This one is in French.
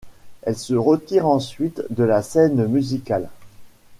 Elle se retire ensuite de la scène musicale.